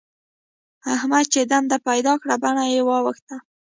احمد چې دنده پيدا کړه؛ بڼه يې واوښته.